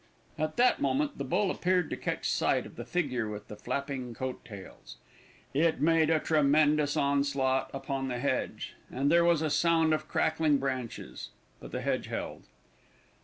At that moment the bull appeared to catch sight of the figure with the flapping coat tails. It made a tremendous onslaught upon the hedge, and there was a sound of crackling branches; but the hedge held.